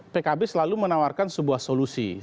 pkb selalu menawarkan sebuah solusi